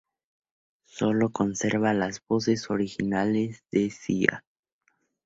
Sólo conserva las voces originales de Sia.